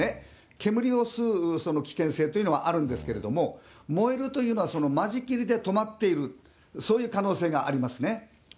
煙を吸う危険性というのはあるんですけれども、燃えるというのは、間仕切りで止まっている、そういう可能性がありますね。